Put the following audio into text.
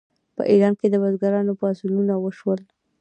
په ایران کې د بزګرانو پاڅونونه وشول.